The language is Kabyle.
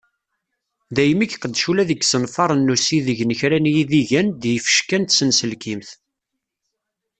Daymi i iqeddec ula deg yiṣenfaṛen n usideg n kra n yidigan d yifecka n tsenselkimt.